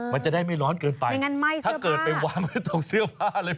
มันจะได้ไม่ร้อนเกินไปไม่งั้นไหมถ้าเกิดไปวางไว้ตรงเสื้อผ้าเลย